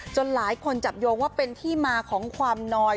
หลายคนจับโยงว่าเป็นที่มาของความนอย